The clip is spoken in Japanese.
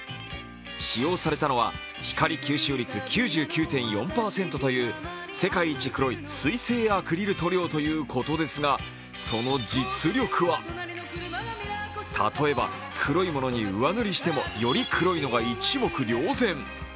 使用されたのは光吸収率９９．４％という世界一黒い水性アクリル塗料ということですが、その実力は例えば黒いものに上塗りしてもより黒いのが一目瞭然。